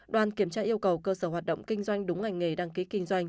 đoàn kiểm tra yêu cầu cơ sở hoạt động kinh doanh đúng ngành nghề đăng ký kinh doanh